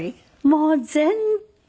もう全然。